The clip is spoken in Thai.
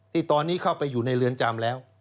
ที่ตอนนี้เข้าไปอยู่ในเรือนจำแล้ว